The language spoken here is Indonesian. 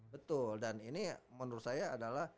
betul dan ini menurut saya adalah